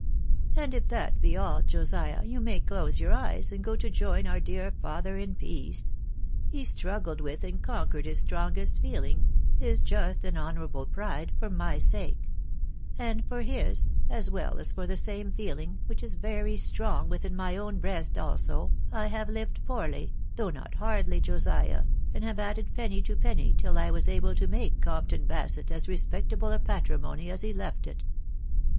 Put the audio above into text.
" And if that be «11, Jositm} you may dose wour eyes, and go to jdrnnerar dear 'lather in peace. He straggled with and conquered his strongest feeling, hi6 just ami honourable pride, for my sake ; and for his, as well as for the same feeling, which is very strong within my own breast also, I have lived poorly, though not hardly, Josiah, and have added penny to penny till I was able to make Compton Basett as respectable a patrimony as he left it.